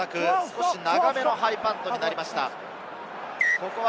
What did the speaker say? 少し長めのハイパントになりました。